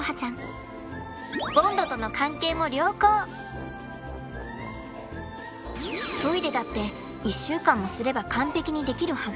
ボンドとのトイレだって１週間もすれば完璧にできるはず。